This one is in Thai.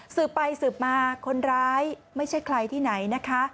สืบไปสืบมาคนร้ายไม่ใช่ใครที่ไหนนะคะ